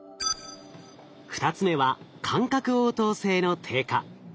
２つ目は感覚応答性の低下。